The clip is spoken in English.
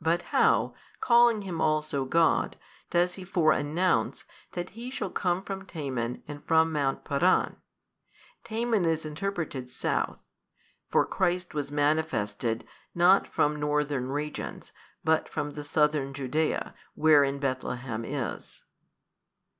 But how, calling Him also God, does he fore announce that He shall come from Teman and from mount Paran? Teman is interpreted South: for Christ was manifested, not from northern regions, but from the southern Judaea, wherein Bethlehem is.